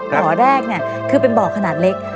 บ่อแรกเนี่ยคือเป็นบ่อขนาดเล็ก